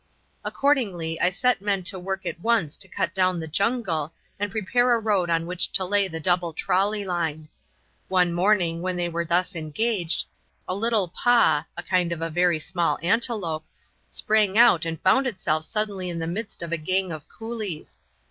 Accordingly, I set men to work at once to cut down the jungle and prepare a road on which to lay the double trolley line. One morning when they were thus engaged, a little paa a kind of very small antelope sprang out and found itself suddenly in the midst of a gang of coolies.